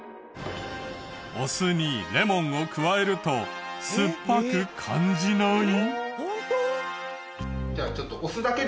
お酢にレモンを加えると酸っぱく感じない？